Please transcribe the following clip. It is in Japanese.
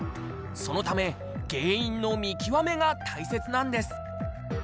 そのため、原因の見極めが大切なんです。